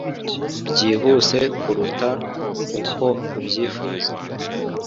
byihuse kuruta uko ubyifuza